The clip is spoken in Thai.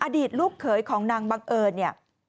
อดีตลูกเขยของนางบังเอิญเนี่ย